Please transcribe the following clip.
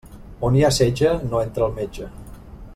On hi ha setge no entra el metge.